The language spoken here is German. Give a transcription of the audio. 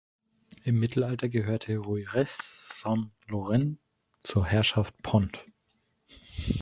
Im Mittelalter gehörte Rueyres-Saint-Laurent zur Herrschaft Pont.